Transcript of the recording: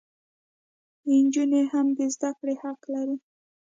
انجونې هم د زدکړي حق لري